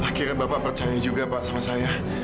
akhirnya bapak percaya juga pak sama saya